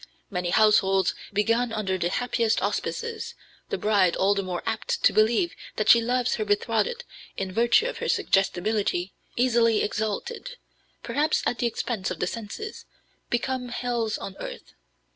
Many households, begun under the happiest auspices the bride all the more apt to believe that she loves her betrothed in virtue of her suggestibility, easily exalted, perhaps at the expense of the senses become hells on earth.